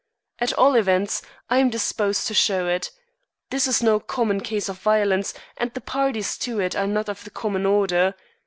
At all events, I am disposed to show it. This is no common case of violence and the parties to it are not of the common order.